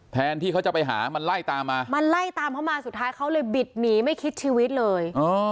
แทนที่เขาจะไปหามันไล่ตามมามันไล่ตามเขามาสุดท้ายเขาเลยบิดหนีไม่คิดชีวิตเลย